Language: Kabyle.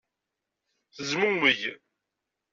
Tezmumeg.